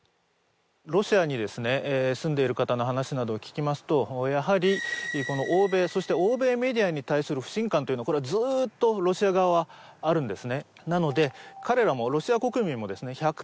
ロシアにですね住んでいる方の話などを聞きますとやはりこの欧米そして欧米メディアに対する不信感っていうのはこれはずーっとロシア側はあるんですねなので彼らもロシア国民もですね１００％